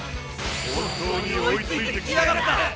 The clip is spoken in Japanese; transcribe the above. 本当に追いついてきやがった！